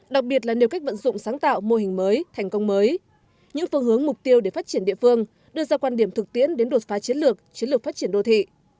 đặc biệt là nêu cách vận dụng sáng tạo mô hình mới thành công mới những phương hướng mục tiêu để phát triển địa phương đưa ra quan điểm thực tiễn đến đột phá chiến lược chiến lược phát triển đô thị